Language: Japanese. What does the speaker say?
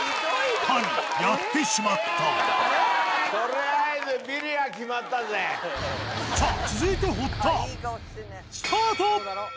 谷やってしまったさぁ続いて堀田スタート！